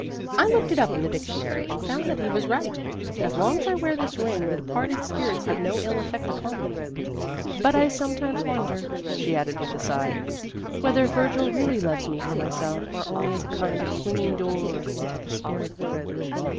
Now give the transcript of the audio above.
I looked it up in the dictionary, and found that he was right. As long as I wear this ring the departed spirits have no ill effect upon me. But I sometimes wonder," she added with a sigh, "whether Virgil really loves me for myself, or only as a kind of swinging door into the spirit world."